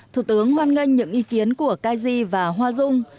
thủ tướng hoan nghênh những ý kiến của caizi và hoa dung